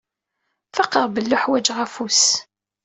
Faqeɣ belli uḥwaǧeɣ afus.